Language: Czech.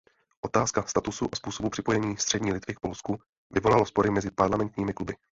Otázka statusu a způsobu připojení Střední Litvy k Polsku vyvolala spory mezi parlamentními kluby.